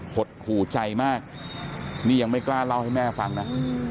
หดหูใจมากนี่ยังไม่กล้าเล่าให้แม่ฟังนะ